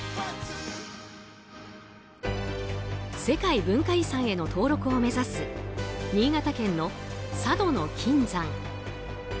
世界文化遺産への登録を目指す新潟県の佐渡島の金山。